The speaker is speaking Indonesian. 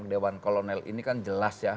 dewan kolonel ini kan jelas ya